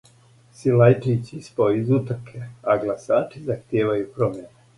Силајђић испао из утрке, а гласачи захтијевају промјене